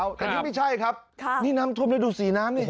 แต่นี่ไม่ใช่ครับนี่น้ำท่วมแล้วดูสีน้ำนี่